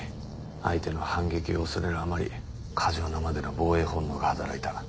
相手の反撃を恐れるあまり過剰なまでの防衛本能が働いた。